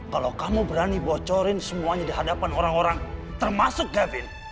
kalau kamu berani bocorin semuanya di hadapan orang orang termasuk kevin